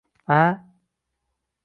aaa?